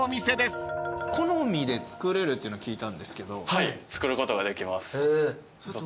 はい作ることができます。